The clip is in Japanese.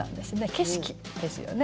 景色ですよね。